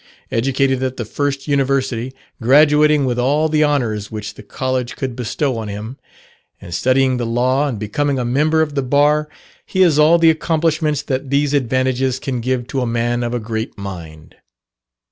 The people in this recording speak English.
Educated at the first University, graduating with all the honours which the College could bestow on him, and studying the law and becoming a member of the bar, he has all the accomplishments that these advantages can give to a man of a great mind.